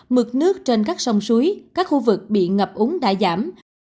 mực nước trên các sông suối các khu vực bị ngập úng đã giảm